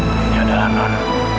ini adalah non